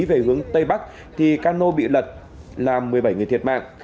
về hướng tây bắc thì cano bị lật làm một mươi bảy người thiệt mạng